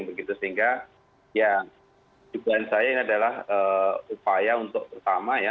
sehingga ya jubahan saya ini adalah upaya untuk pertama